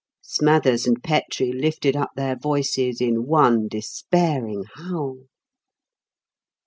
Smathers and Petrie lifted up their voices in one despairing howl.